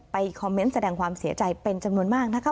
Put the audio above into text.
คอมเมนต์แสดงความเสียใจเป็นจำนวนมากนะคะ